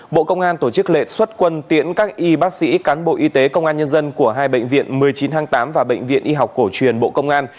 bộ công an tổ chức lễ xuất quân tiễn các y bác sĩ cán bộ y tế công an nhân dân của hai bệnh viện một mươi chín tháng tám và bệnh viện y học cổ truyền bộ công an